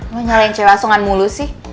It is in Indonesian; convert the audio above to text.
lo nyalain cewek asongan mulu sih